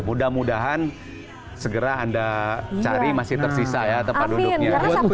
mudah mudahan segera anda cari masih tersisa ya tempat duduknya